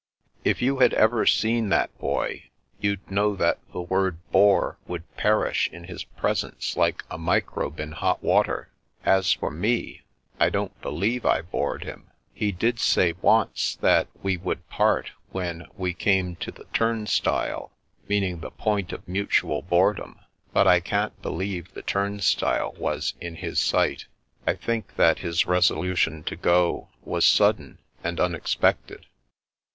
"" If you had ever seen that boy, you'd know that the word ' bore ' would perish in his presence like a microbe in hot water. As for me — I don't be lieve I bored him. He did say once that we would part when we came to the * turnstile,' meaning the point of mutual boredom, but I can't believe the turnstile was in his sight. I think that his resolu tion to go was sudden and unexpected."